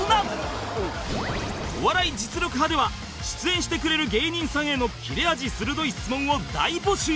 『お笑い実力刃』では出演してくれる芸人さんへの切れ味鋭い質問を大募集